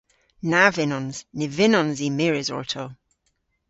Na vynnons. Ny vynnons i mires orto.